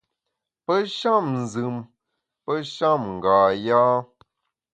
Pe sham nzùm, pe sham nga yâ.